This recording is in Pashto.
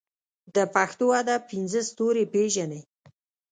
د پښتو ادب پنځه ستوري پېژنې.